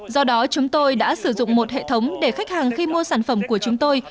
do đó chúng tôi đã sử dụng một hệ thống để khách hàng khi mua sản phẩm của chúng tôi